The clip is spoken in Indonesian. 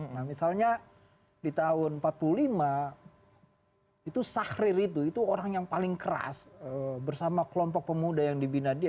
nah misalnya di tahun seribu sembilan ratus empat puluh lima itu sahrir itu itu orang yang paling keras bersama kelompok pemuda yang dibina dia